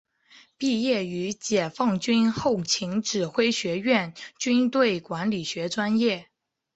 毕业于解放军后勤指挥学院军队管理学专业。